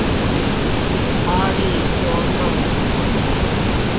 哈利波特